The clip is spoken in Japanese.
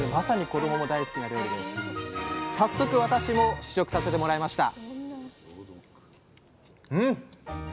早速私も試食させてもらいました！